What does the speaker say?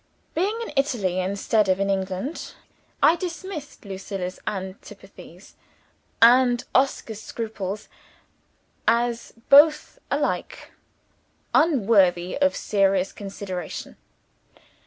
Being in Italy instead of in England, I dismissed Lucilla's antipathies and Oscar's scruples, as both alike unworthy of serious consideration.